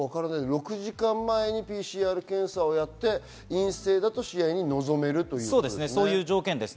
６時間前にＰＣＲ検査をして、陰性だと試合に臨めるということですね。